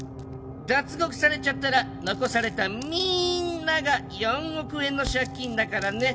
脱獄されちゃったら残されたみんなが４億円の借金だからね。